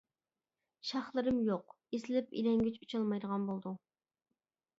-شاخلىرىم يوق، ئېسىلىپ ئىلەڭگۈچ ئۇچالمايدىغان بولدۇڭ.